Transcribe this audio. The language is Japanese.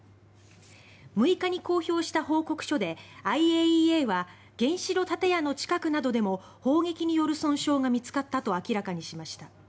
６日に公表した報告書でＩＡＥＡは原子炉建屋の近くなどでも砲撃による損傷が見つかったと明らかにしました。